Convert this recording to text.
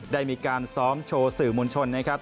ได้มีการซ้อมโชว์สื่อมวลชนนะครับ